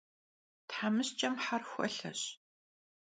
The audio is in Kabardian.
Themışç'em ther xuelheş.